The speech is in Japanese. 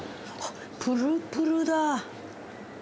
プルプルだ！